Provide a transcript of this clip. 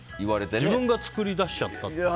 自分が作り出しちゃった。